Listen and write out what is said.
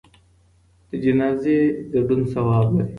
د جنازې ګډون ثواب لري.